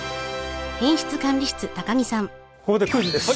ここでクイズです！